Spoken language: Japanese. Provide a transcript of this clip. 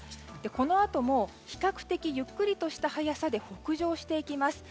このあとも比較的ゆっくりとした速さで北上していきます。